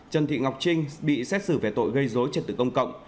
trần thị ngọc trinh bị xét xử về tội gây dối trật tự công cộng